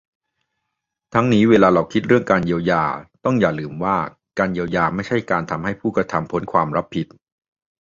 ทั้งนี้เวลาเราคิดเรื่องการเยียวยา ต้องอย่าลืมว่า การเยียวยาไม่ใช่การทำให้ผู้กระทำพ้นความรับผิด